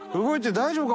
大丈夫か？